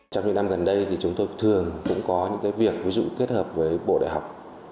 trong những năm gần đây thì chúng tôi thường cũng có những việc ví dụ kết hợp với bộ đại học